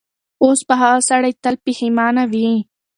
اوس به هغه سړی تل پښېمانه وي.